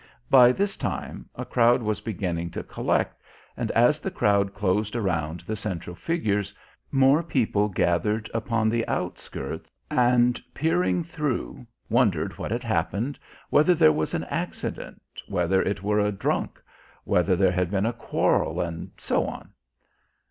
By this time a crowd was beginning to collect and as the crowd closed around the central figures more people gathered upon the outskirts and, peering through, wondered what had happened, whether there was an accident, whether it were a "drunk," whether there had been a quarrel, and so on.